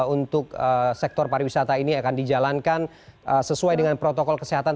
untuk sektor pariwisata ini akan dijalankan sesuai dengan protokol kesehatan